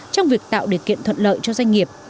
trong việc tạo điều kiện thuận lợi cho doanh nghiệp